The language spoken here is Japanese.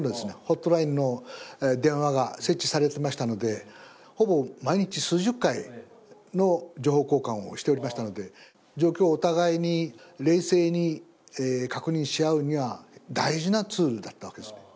ホットラインの電話が設置されてましたのでほぼ毎日数十回の情報交換をしておりましたので状況をお互いに冷静に確認し合うには大事なツールだったわけですね